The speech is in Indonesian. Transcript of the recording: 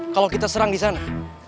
kalo kita serang disana